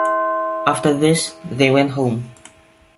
After this, they went home.